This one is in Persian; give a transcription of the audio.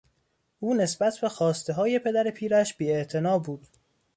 او نسبت به خواستههای پدر پیرش بیاعتنا بود.